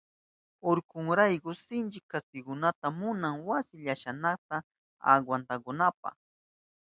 Urkunrayku sinchi kaspikunata munan wasi llashata awantanankunapa.